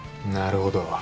なるほど。